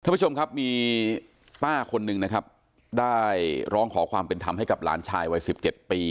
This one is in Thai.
ท่านผู้ชมครับมีป้าคนหนึ่งนะครับได้ร้องขอความเป็นธรรมให้กับหลานชายวัยสิบเจ็ดปี